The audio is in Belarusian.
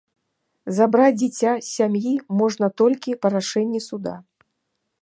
Забраць дзіця з сям'і можна толькі па рашэнні суда.